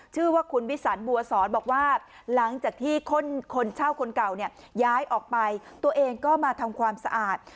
ชื่อว่าคุณวิสันบัวสอนบอกว่าหลังจากที่คนเช่าคนเก่าเนี่ยย้ายออกไปตัวเองก็มาทำความสะอาด